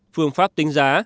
phương pháp tính giá